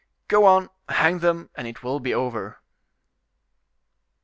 Go on, hang them, and it will be over."